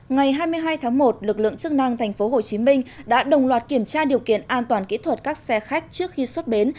ngày hai mươi hai tháng một lực lượng chức năng tp hcm đã đồng loạt kiểm tra điều kiện an toàn kỹ thuật các xe khách trước khi xuất bến